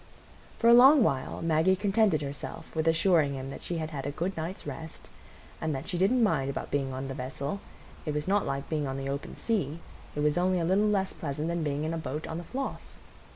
For a long while Maggie contented herself with assuring him that she had had a good night's rest, and that she didn't mind about being on the vessel,—it was not like being on the open sea, it was only a little less pleasant than being in a boat on the Floss.